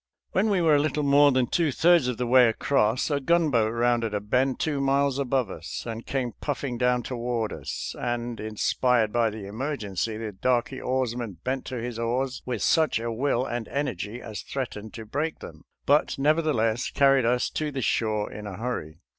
When we were a little more than two thirds of the way across, a gunboat rounded a bend two miles above us, and came puffing down toward us, and, inspired by the emergency, the darky oarsman bent to his oars with such a will and energy as threatened to break them, but nevertheless carried us to the shore in a hurry.